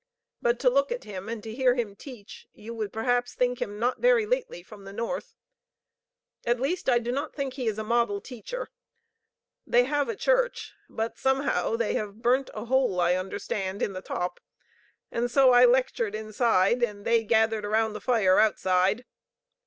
But to look at him and to hear him teach, you would perhaps think him not very lately from the North; at least I do not think he is a model teacher. They have a church; but somehow they have burnt a hole, I understand, in the top, and so I lectured inside, and they gathered around the fire outside.